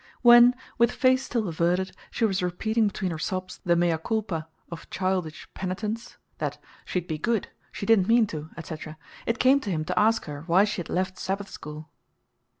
When, with face still averted, she was repeating between her sobs the MEA CULPA of childish penitence that "she'd be good, she didn't mean to," etc., it came to him to ask her why she had left Sabbath school.